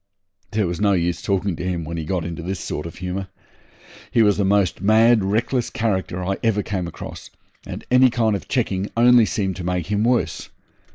There was no use talking to him when he got into this sort of humour. He was the most mad, reckless character I ever came across, and any kind of checking only seemed to make him worse.